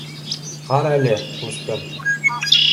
— Ҡарале, ҡустым.